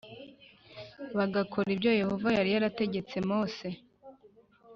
bagakora ibyo Yehova yari yarategetse Mose.